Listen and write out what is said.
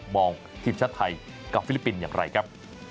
ทีมชาติไทยกับฟิลิปปินส์อย่างไรครับ